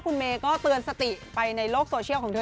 คุณเมย์ก็เตือนสติไปในโลกโซเชียลของเธอ